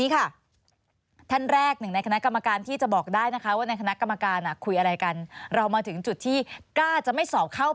ปีการศึกษาไหนคะวันนี้ค่ะทั้งแรกในคณะกรรมการที่จะบอกได้นะคะว่าในคณะกรรมการคุยอะไรกันเรามาถึงจุดที่กล้าจะไม่สอบเข้า